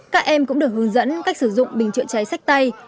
các em cũng được hướng dẫn cách sử dụng bình chữa cháy sách tay